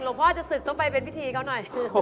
หลวงพ่อจะศึกต้องไปเป็นพิธีเขาน่ะ